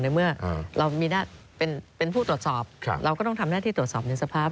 เมื่อเรามีหน้าเป็นผู้ตรวจสอบเราก็ต้องทำหน้าที่ตรวจสอบในสภาพ